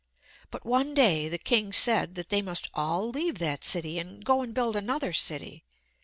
But one day the King said that they must all leave that city, and go and build another city.